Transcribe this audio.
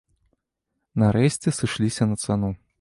Нарэшце сышліся на цану.